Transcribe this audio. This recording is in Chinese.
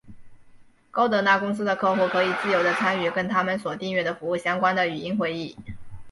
高德纳公司的客户可以自由的参与跟它们所订阅的服务相关的语音会议。